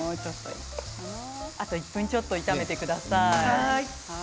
あと１分ちょっと炒めてください。